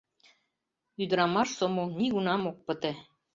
— Ӱдырамаш сомыл нигунам ок пыте.